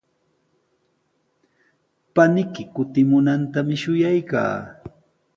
Paniyki kutimunantami shuyaykaa.